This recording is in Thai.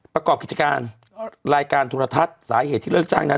ประกอบกิจการรายการโทรทัศน์สาเหตุที่เลิกจ้างนั้น